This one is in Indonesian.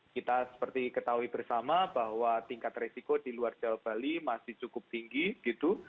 kita seperti ketahui bersama bahwa tingkat resiko di luar jawa bali masih cukup tinggi gitu